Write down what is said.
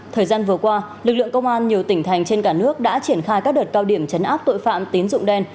thời gian vừa qua lực lượng công an nhiều tỉnh thành trên cả nước đã triển khai các đợt cao điểm chấn áp tội phạm tín dụng đen